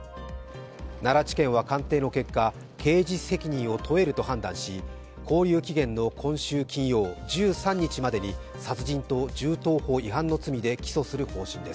奈良地検は鑑定の結果刑事責任を問えると判断し勾留期限の今週金曜、１３日までに殺人と銃刀法違反の罪で起訴する方針です。